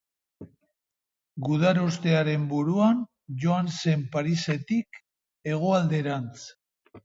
Gudarostearen buruan joan zen Parisetik hegoalderantz.